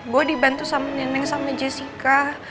bo di bantu sama nenek sama jadika